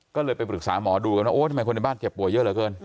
ก็เลยไปปรึกษาหมอดูกันว่าโอ้ทำไมคนในบ้านเจ็บป่วยเยอะเหลือเกิน